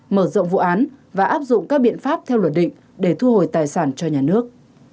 mở rộng vụ án và áp dụng các biện pháp theo luật định để thu hồi tài sản cho nhà nước